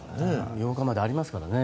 ８日までありますからね。